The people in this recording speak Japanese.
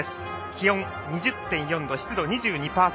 気温２０．４度、湿度２２％。